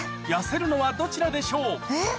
痩せるのはどちらでしょう？